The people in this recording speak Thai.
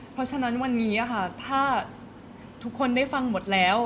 เพราะฉะนั้นวันนี้ค่ะถ้าทุกคนได้ฟังหมดแล้ว